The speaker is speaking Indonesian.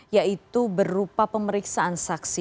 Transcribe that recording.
yaitu berupa pemeriksaan saksi